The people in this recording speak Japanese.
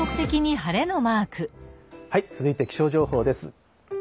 はい続いて気象情報です。